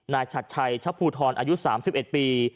ฉัดชัยชะภูทรอายุ๓๑ปี